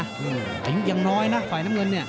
อายุยังน้อยนะฝ่ายน้ำเงินเนี่ย